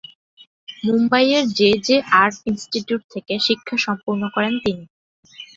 মুম্বাইয়ের J J art institute থেকে শিক্ষা সম্পূর্ণ করেন তিনি।